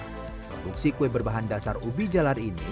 produksi kue berbahan dasar ubi jalar ini